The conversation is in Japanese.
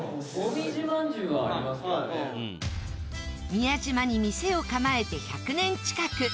宮島に店を構えて１００年近く